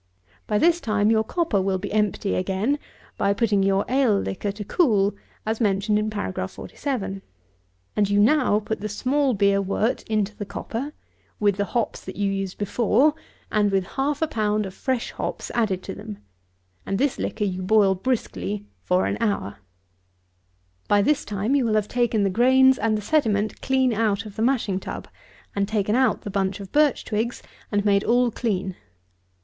53. By this time your copper will be empty again, by putting your ale liquor to cool, as mentioned in Paragraph 47. And you now put the small beer wort into the copper, with the hops that you used before, and with half a pound of fresh hops added to them; and this liquor you boil briskly for an hour. 54. By this time you will have taken the grains and the sediment clean out of the mashing tub, and taken out the bunch of birch twigs, and made all clean.